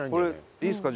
いいですか？